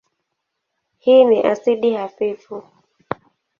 Hii ni asidi hafifu.